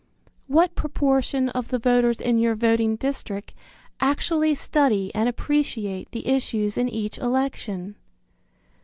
What proportion of the voters in your voting district actually study and appreciate the issues in each election?